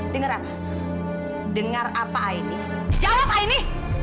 dengar apa dengar apa aini jawab aini